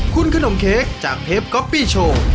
คุณขนมเค้กจากเทปก๊อปปี้โชว์